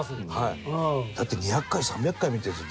だって２００回３００回見てるんですよ